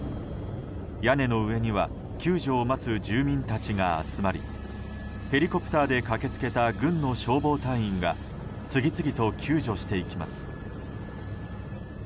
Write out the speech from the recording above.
屋根の上には救助を待つ住民たちが集まりヘリコプターで駆け付けた軍の消防隊員が次々と救助していきます。